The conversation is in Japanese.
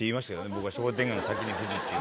僕は商店街の先に富士っていう。